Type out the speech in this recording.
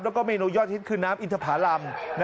แล้วก็เมนูยอดทิศคือน้ำอินทธาลัมน์